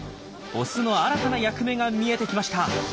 オスの新たな役目が見えてきました。